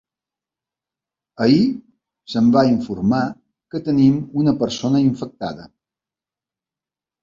Ahir se’m va informar que tenim una persona infectada.